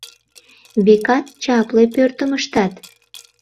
Векат, чапле пӧртым ыштат.